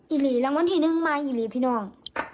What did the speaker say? หลีรางวัลที่หนึ่งมาอีหลีพี่น้อง